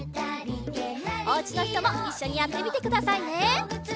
おうちのひともいっしょにやってみてくださいね！